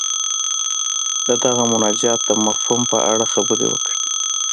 د دغه مناجات د مفهوم په اړه خبرې وکړي.